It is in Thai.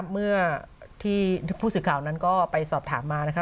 เมื่อที่ผู้สื่อข่าวนั้นก็ไปสอบถามมานะคะ